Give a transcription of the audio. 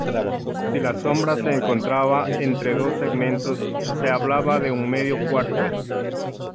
Si la sombra se encontraba entre dos segmentos, se hablaba de un medio cuarto.